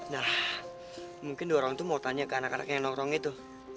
nah mungkin dua orang itu mau tanya ke anak anak yang nongkrong itu